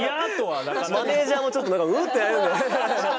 マネージャーもちょっと何かうん？ってなるんで。